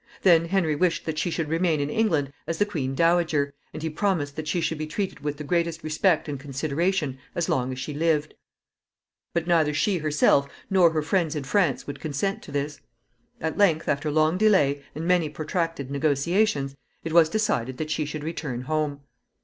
Then Henry wished that she should remain in England as the queen dowager, and he promised that she should be treated with the greatest respect and consideration as long as she lived; but neither she herself nor her friends in France would consent to this. At length, after long delay, and many protracted negotiations, it was decided that she should return home.